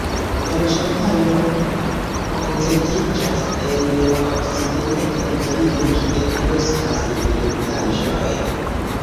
La loĝantaro koncentriĝas en la okcidenta teritorio kie kreskas vegetaĵoj.